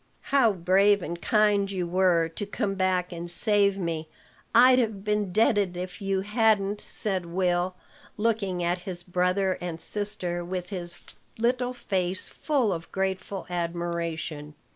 "How brave and kind you were to come back and save me! I'd have been deaded if you hadn't," said Will, looking at his brother and sister with his little face full of grateful admiration.